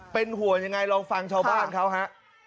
เป็นห่วงยังไงลองฟังชาวบ้านเขาฮะ